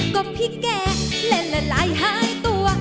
ก็พี่แกเล่นละลายหายตัว